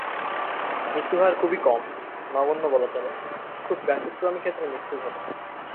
মৃত্যুহার খুবই কম, নগণ্য বলা চলে, খুব ব্যতিক্রমী ক্ষেত্রে মৃত্যু ঘটে।